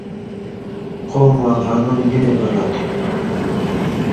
قومواں قانُون گنے بناں تھو؟